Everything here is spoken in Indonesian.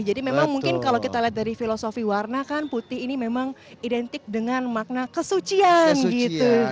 jadi memang mungkin kalau kita lihat dari filosofi warna kan putih ini memang identik dengan makna kesucian gitu kan